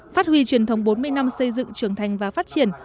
phát huy truyền thống bốn mươi năm xây dựng trưởng thành và phát triển